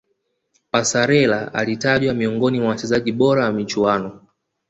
passarella alitajwa miongoni mwa wachezaji bora wa michuano